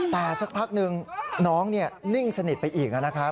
แต่สักพักนึงน้องนิ่งสนิทไปอีก